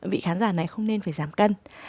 vị khán giả này không nên phải giảm cân